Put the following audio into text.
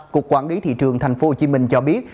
cục quản lý thị trường thành phố hồ chí minh cho biết